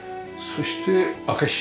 そして。